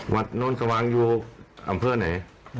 วัดนรทสวางอยู่อำเภิ่นไหน